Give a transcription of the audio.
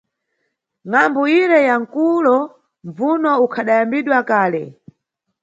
Ngʼambu ire ya mkulo mbvuno ukhadayambidwa kale.